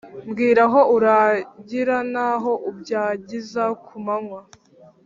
Mbwira aho uragira n’aho ubyagiza ku manywa